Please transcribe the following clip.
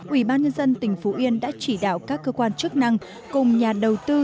ủy ban nhân dân tỉnh phú yên đã chỉ đạo các cơ quan chức năng cùng nhà đầu tư